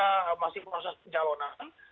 ketika masih proses penjalonan